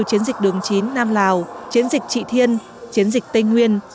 chiến dịch đường chín nam lào chiến dịch trị thiên chiến dịch tây nguyên